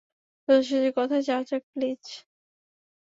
সোজাসুজি কথায় যাওয়া যাক, প্লিজ।